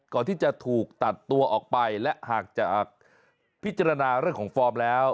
ก่อนที่จะถูกตัดตัวออกไปและหากจะพิจารณาเรื่องของฟอร์มแล้ว